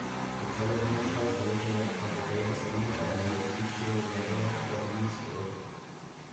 The television shows originate from the Davis Arena in the Buechel neighborhood of Louisville.